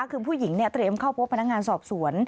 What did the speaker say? คือผู้หญิงเตรียมเข้าพบพนักงานสอบสวน